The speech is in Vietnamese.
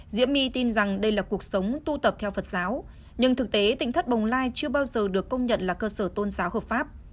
diễm my tin rằng đây là cuộc sống tu tập theo phật giáo nhưng thực tế tỉnh thất bồng lai chưa bao giờ được công nhận là cơ sở tôn giáo hợp pháp